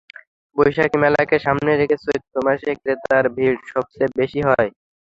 বৈশাখী মেলাকে সামনে রেখে চৈত্র মাসে ক্রেতার ভিড় সবচেয়ে বেশি হয়।